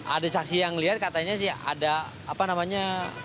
ada saksi yang lihat katanya sih ada apa namanya